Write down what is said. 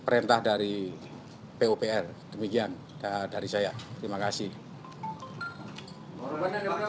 perintah dari pupr demikian dari saya terima kasih